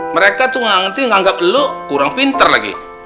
mereka tuh nanti nganggap lu kurang pintar lagi